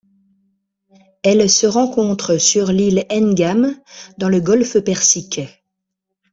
Elle se rencontre sur l'île Hengam dans le golfe Persique.